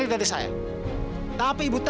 seperti ini awakyoung's anggota